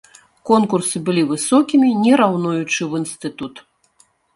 Конкурсы былі высокімі, не раўнуючы, у інстытут.